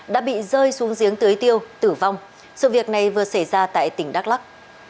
đã bị rơi xuống giếng tưới tiêu tử vong sự việc này vừa xảy ra tại tỉnh đắk lắc